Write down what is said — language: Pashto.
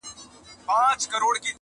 په يوازي ځان قلا ته ور روان سو!.